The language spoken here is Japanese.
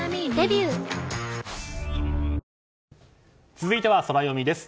続いてはソラよみです。